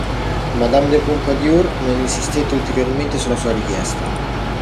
Madame de Pompadour non insistette ulteriormente sulla sua richiesta.